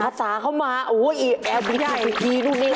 ภาษาเข้ามาโอ้โฮไอ้แอฟนี่ไอ้พี่มิ๊กซื้อนี่